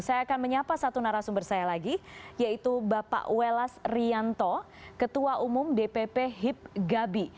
saya akan menyapa satu narasumber saya lagi yaitu bapak welas rianto ketua umum dpp hip gabi